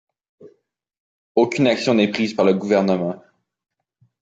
Aucune action n'est prise par le gouvernement.